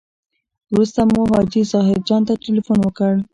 وروسته مو حاجي ظاهر جان ته تیلفون وکړ.